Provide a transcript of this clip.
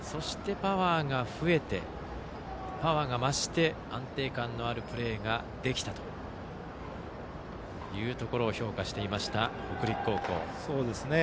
そしてパワーが増して安定感のあるプレーができたというところを評価していました、北陸高校。